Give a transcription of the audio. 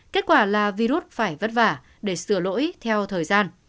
kết quả là virus phải vất vả để sửa lỗi theo thời gian